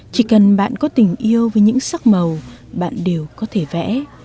chỉ cần bạn có tình yêu với những sắc màu bạn đều có thể vẽ